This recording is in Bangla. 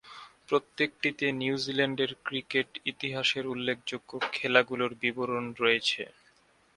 প্রত্যেকটিতে নিউজিল্যান্ডের ক্রিকেট ইতিহাসের উল্লেখযোগ্য খেলাগুলোর বিবরণ রয়েছে।